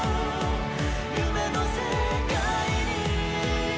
「夢の世界に」